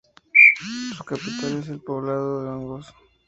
Su capital es el poblado de Hongos.